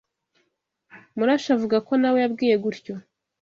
Murashi avuga ko na we yabwiye gutyo